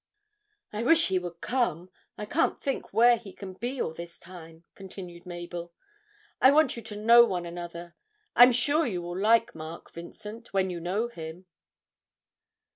'I wish he would come; I can't think where he can be all this time,' continued Mabel. 'I want you to know one another. I am sure you will like Mark, Vincent, when you know him.'